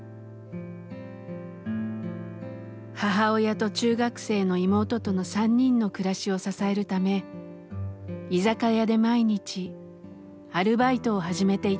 母親と中学生の妹との３人の暮らしを支えるため居酒屋で毎日アルバイトを始めていたのです。